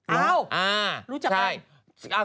อ๋อรู้จักกันอ่าใช่